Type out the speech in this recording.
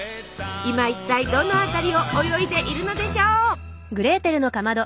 今一体どの辺りを泳いでいるのでしょう？